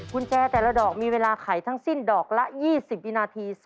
กุญแจแต่ละดอกมีเวลาไขทั้งสิ้นดอกละ๒๐วินาที